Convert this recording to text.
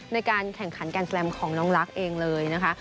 ในการแข่งขันการแฟมของน้องลักษณ์เองเลยนะคะ